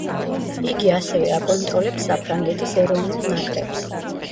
იგი ასევე აკონტროლებს საფრანგეთის ეროვნულ ნაკრებს.